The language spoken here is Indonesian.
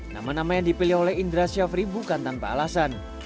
nama nama yang dipilih oleh indra syafri bukan tanpa alasan